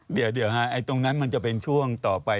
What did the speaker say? เดี๋ยวตรงนั้นมันจะเป็นช่วงต่อไป